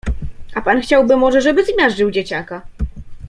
A pan chciałby może, żeby zmiażdżył dzieciaka?